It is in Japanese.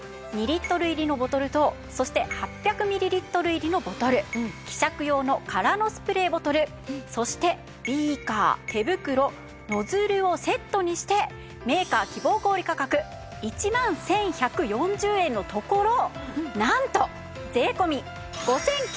２リットル入りのボトルとそして８００ミリリットル入りのボトル希釈用の空のスプレーボトルそしてビーカー手袋ノズルをセットにしてメーカー希望小売価格１万１１４０円のところなんと税込５９８０円です。